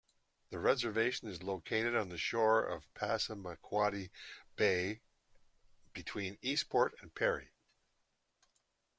The reservation is located on the shore of Passamaquoddy Bay between Eastport and Perry.